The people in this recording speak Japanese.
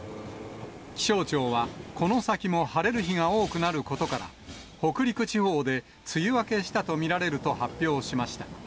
気象庁はこの先も晴れる日が多くなることから、北陸地方で梅雨明けしたと見られると発表しました。